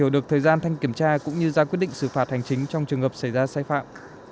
được thời gian thanh kiểm tra cũng như ra quyết định xử phạt hành chính trong trường hợp xảy ra sai phạm